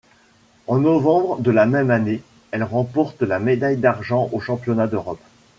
En novembre de la même année, elle remporte la médaille d’argent aux Championnats d'Europe.